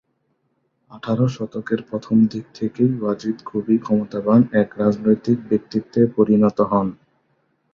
আঠারো শতকের প্রথম দিক থেকেই ওয়াজিদ খুবই ক্ষমতাবান এক রাজনৈতিক ব্যক্তিত্বে পরিণত হন।